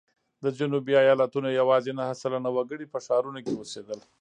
د جنوبي ایالتونو یوازې نهه سلنه وګړي په ښارونو کې اوسېدل.